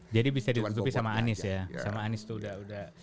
jadi bisa ditutupi sama anies ya